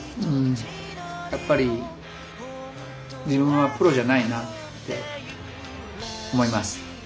やっぱり自分はプロじゃないなって思います。